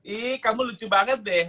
ih kamu lucu banget deh